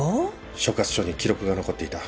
所轄署に記録が残っていた。